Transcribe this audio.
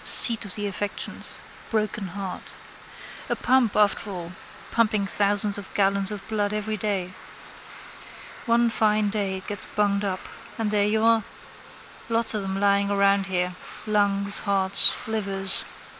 Seat of the affections. Broken heart. A pump after all, pumping thousands of gallons of blood every day. One fine day it gets bunged up: and there you are. Lots of them lying around here: lungs, hearts, livers.